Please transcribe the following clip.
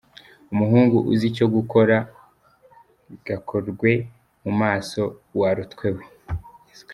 Umuhungu uzi icyogukora? Gakorwe mumaso warutwewe.